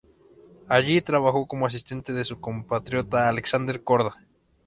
Allí trabajó como asistente de su compatriota Alexander Korda.